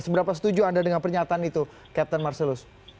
seberapa setuju anda dengan pernyataan itu captain marcelus